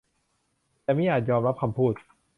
แต่มิอาจยอมรับคำพูด